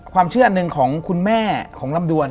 ความเชื่ออันหนึ่งของคุณแม่ของลำดวน